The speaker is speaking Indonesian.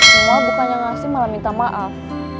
semua bukannya ngasih malah minta maaf